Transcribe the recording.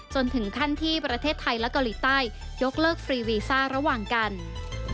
จนถึงขั้นที่ประเทศไทยและเกาหลีใต้ยกเลิกฟรีวีซ่าระหว่างกัน